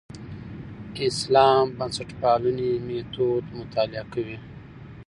اسلام بنسټپالنې میتود مطالعه کوي.